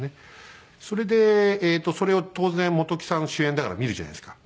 それでえっとそれを当然本木さん主演だから見るじゃないですか。